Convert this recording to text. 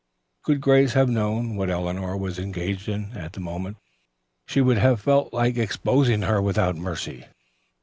Could Grace have known what Eleanor was engaged in at the moment she would have felt like exposing her without mercy.